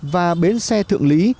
và bến xe thượng lý